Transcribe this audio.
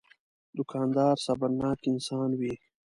دوکاندار صبرناک انسان وي.